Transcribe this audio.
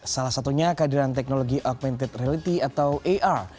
salah satunya kehadiran teknologi augmented reality atau ar